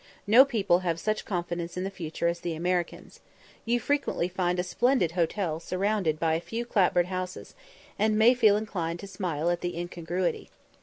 No people have such confidence in the future as the Americans. You frequently find a splendid hotel surrounded by a few clapboard houses, and may feel inclined to smile at the incongruity.